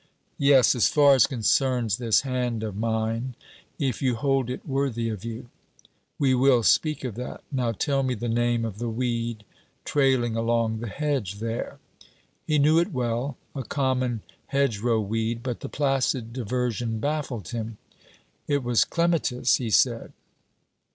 Yes, as far as concerns this hand of mine, if you hold it worthy of you. We will speak of that. Now tell me the name of the weed trailing along the hedge there! He knew it well; a common hedgerow weed; but the placid diversion baffled him. It was clematis, he said.